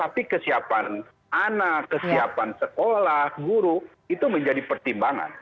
tapi kesiapan anak kesiapan sekolah guru itu menjadi pertimbangan